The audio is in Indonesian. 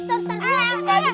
eh itu terlihat